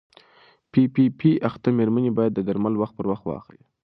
پي پي پي اخته مېرمنې باید درمل وخت پر وخت واخلي.